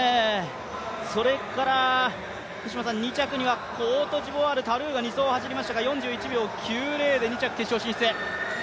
それから２着にはコートジボワール、タルーが２走を走りましたが４１秒９０で２着、決勝進出。